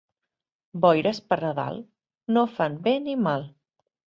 Boires per Nadal no fan bé ni mal.